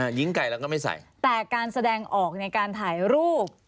จะเข้าลักษณะการแสดงออกในการถ่ายรูป